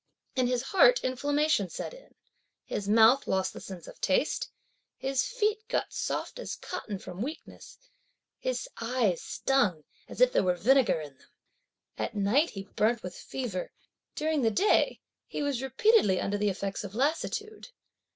In his heart inflammation set in; his mouth lost the sense of taste; his feet got as soft as cotton from weakness; his eyes stung, as if there were vinegar in them. At night, he burnt with fever. During the day, he was repeatedly under the effects of lassitude.